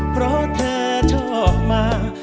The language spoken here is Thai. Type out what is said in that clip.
เพราะเธอชอบมา